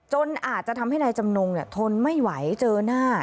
จนอาจจะทำให้นายจำนงทนไม่ไหวเจอหน้า